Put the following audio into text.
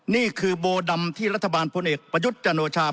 นี่คือโบดำที่รัฐบาลพลเอกประยุทธ์จันโอชา